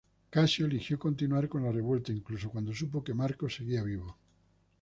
Casio eligió continuar con la revuelta incluso cuando supo que Marco seguía vivo.